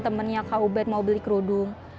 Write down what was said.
temennya kubed mau beli kerudung